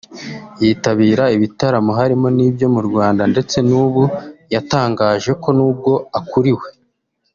yitabira ibitaramo harimo n'ibyo mu Rwanda ndetse n’ubu yatangaje ko n’ubwo akuriwe